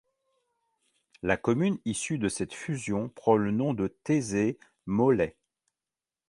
La commune issue de cette fusion prend le nom de Taizé-Maulais.